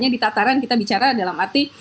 di tataran kita bicara dalam arti